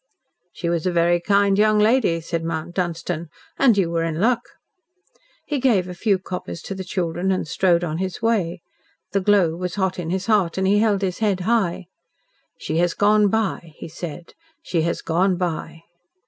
"She was a very kind young lady," said Mount Dunstan, "and you were in luck." He gave a few coppers to the children and strode on his way. The glow was hot in his heart, and he held his head high. "She has gone by," he said. "She has gone by."